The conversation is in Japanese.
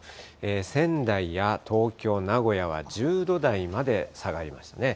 仙台や東京、名古屋は１０度台まで下がりましたね。